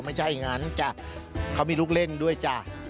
ไม่ใช่อย่างนั้นจ้ะเขามีลูกเล่นด้วยจ้ะ